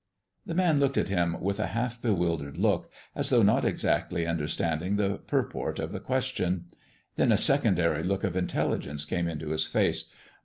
The man looked at him with a half bewildered look, as though not exactly understanding the purport of the question. Then a secondary look of intelligence came into his face.